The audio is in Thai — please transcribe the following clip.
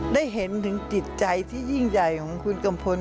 ได้เห็นถึงจิตใจที่ยิ่งใหญ่ของคุณกัมพล